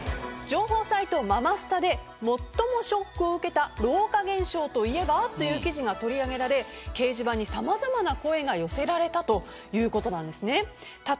情報サイト、ママスタで最もショックを受けた老化現象といえばという記事が取り上げられ掲示板に、さまざまな声が寄せられました。